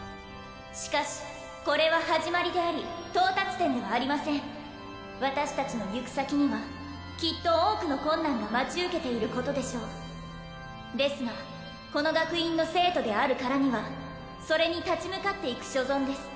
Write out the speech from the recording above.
しかしこれは始まりであり到達点ではありません私達の行く先にはきっと多くの困難が待ち受けていることでしょうですがこの学院の生徒であるからにはそれに立ち向かっていく所存です